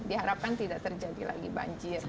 diharapkan tidak terjadi lagi banjir